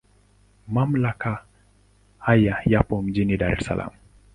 Mamlaka haya yapo mjini Dar es Salaam.